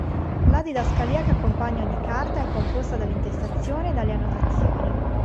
La didascalia che accompagna ogni carta è composta dall'intestazione e dalle annotazioni.